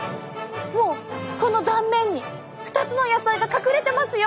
もうこの断面に２つの野菜が隠れてますよ！